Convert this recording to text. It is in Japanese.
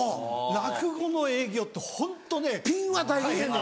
落語の営業ってホントね大変なの。